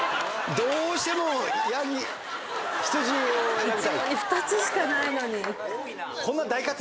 どうしても羊を選びたい？